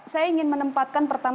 saya ingin menempatkan pertanyaan